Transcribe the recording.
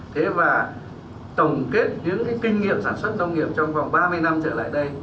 thế và tổng kết những cái kinh nghiệm sản xuất nông nghiệp trong vòng ba mươi năm trở lại đây